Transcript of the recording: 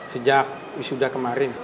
sejak wisuda kemarin